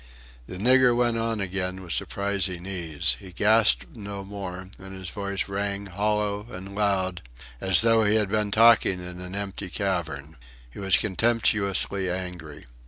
The nigger went on again with surprising ease. He gasped no more, and his voice rang, hollow and loud, as though he had been talking in an empty cavern. He was contemptuously angry.